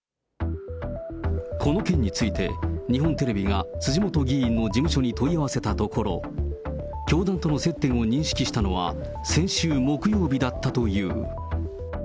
この件について、日本テレビが辻元議員の事務所に問い合わせたところ、教団との接点を認識したのは先週木曜日だったという。